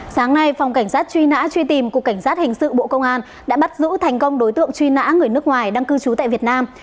sáng nay phòng cảnh sát truy nã truy tìm cục cảnh sát hình sự bộ công an đã bắt giữ thành công đối tượng truy nã người nước ngoài đang cư trú tại việt nam